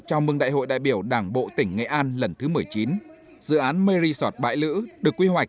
chào mừng đại hội đại biểu đảng bộ tỉnh nghệ an lần thứ một mươi chín dự án mary sot bãi lữ được quy hoạch